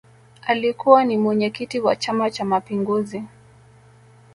Alikukwa ni mwenyekiki wa chama cha mapinguzi